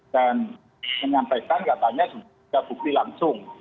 dan menyampaikan katanya sudah bukti langsung